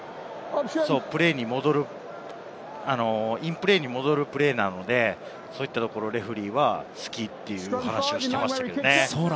インプレーに戻るプレーなので、そういったところ、レフェリーは好きという話をしていました。